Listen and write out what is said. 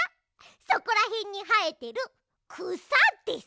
そこらへんにはえてるくさです。